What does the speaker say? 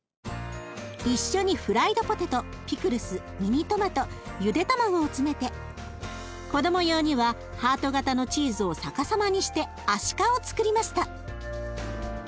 一緒にフライドポテトピクルスミニトマトゆで卵を詰めて子ども用にはハート形のチーズを逆さまにしてアシカをつくりました。